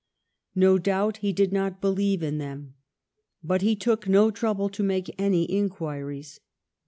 No doubt he did not believe in them. But he took no trouble to make any inquiries.